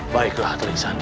baiklah telik sandi